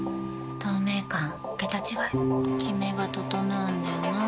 透明感桁違いキメが整うんだよな。